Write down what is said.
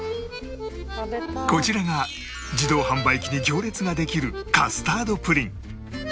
こちらが自動販売機に行列ができるカスタードプリン